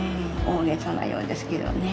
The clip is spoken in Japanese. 大げさなようですけどね